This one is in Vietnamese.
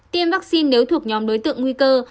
tiêm vaccine nếu thuộc nhóm đối tượng nguy cơ